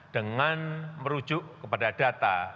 dengan merujuk kepada data